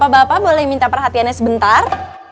bapak bapak boleh minta perhatiannya sebentar